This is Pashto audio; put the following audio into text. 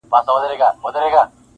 • یار نښانه د کندهار راوړې و یې ګورئ..